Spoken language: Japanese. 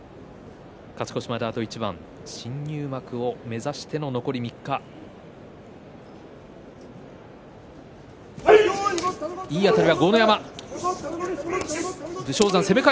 勝ち越しまであと一番新入幕を目指しての残り３日になります。